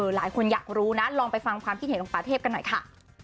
หลายคนอยากรู้นะลองไปฟังความคิดเห็นของป่าเทพกันหน่อยค่ะ